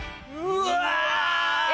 うわ！